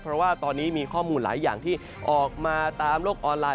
เพราะว่าตอนนี้มีข้อมูลหลายอย่างที่ออกมาตามโลกออนไลน